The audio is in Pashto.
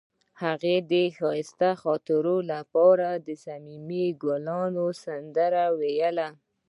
هغې د ښایسته خاطرو لپاره د صمیمي ګلونه سندره ویله.